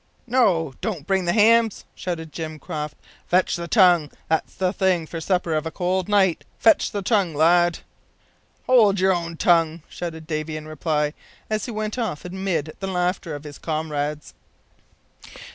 "No, don't bring the hams," shouted Jim Croft, "fetch the tongue; that's the thing for supper of a cold night fetch the tongue, lad." "Hold your own tongue," shouted Davy, in reply, as he went off amid the laughter of his comrades.